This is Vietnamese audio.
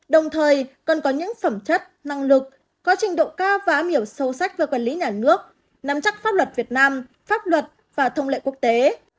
đồng thời cần có những phẩm chất năng lực có trình độ cao và ám hiểu sâu sắc về quản lý nhà nước nắm chắc pháp luật việt nam pháp luật và thông lệ quốc tế